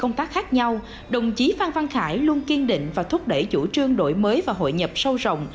trong cương vị khác nhau đồng chí phan văn khải luôn kiên định và thúc đẩy chủ trương đội mới và hội nhập sâu rộng